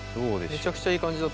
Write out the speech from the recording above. めちゃくちゃいい感じだと。